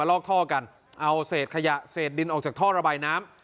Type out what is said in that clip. ลอกท่อกันเอาเศษขยะเศษดินออกจากท่อระบายน้ำ